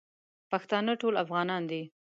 پښتانه ټول افغانان دي